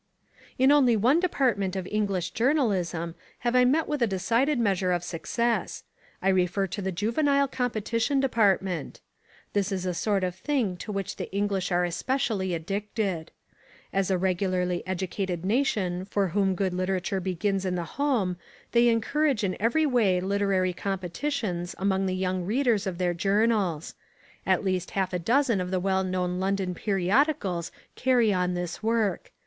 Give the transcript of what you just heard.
In only one department of English journalism have I met with a decided measure of success; I refer to the juvenile competition department. This is a sort of thing to which the English are especially addicted. As a really educated nation for whom good literature begins in the home they encourage in every way literary competitions among the young readers of their journals. At least half a dozen of the well known London periodicals carry on this work.